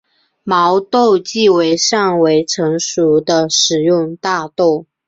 毛豆即为尚未成熟的食用大豆。